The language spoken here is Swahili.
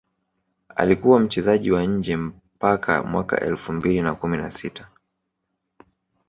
alikuwa mchezaji wa nje mpaka Mwaka elfu mbili na kumi na sita